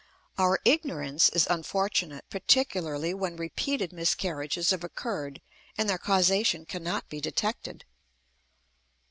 Our ignorance is unfortunate, particularly when repeated miscarriages have occurred and their causation cannot be detected.